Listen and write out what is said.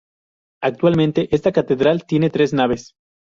Actualmente esta catedral tiene tres naves.